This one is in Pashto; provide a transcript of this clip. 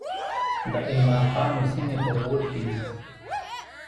د ایماقانو سیمې په غور کې دي